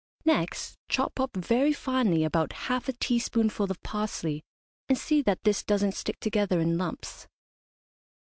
Next chop up, very finely, about half a teaspoonful of parsley, and see that this doesn't stick together in lumps.